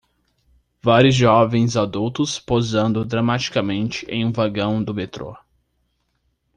Vários jovens adultos posando dramaticamente em um vagão do metrô.